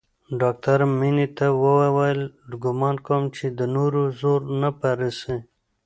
ډاکتر مينې ته وويل ګومان کوم چې د نورو زور نه پې رسي.